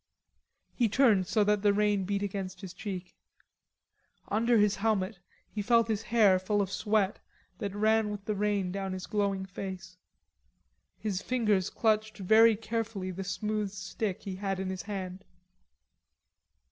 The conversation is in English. He turned so that the rain beat against his cheek. Under his helmet he felt his hair full of sweat that ran with the rain down his glowing face. His fingers clutched very carefully the smooth stick he had in his hand.